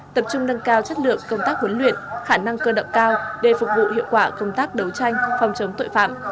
tập trung nâng cao chất lượng công tác huấn luyện khả năng cơ động cao để phục vụ hiệu quả công tác đấu tranh phòng chống tội phạm